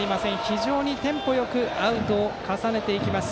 非常にテンポよくアウトを重ねていきます。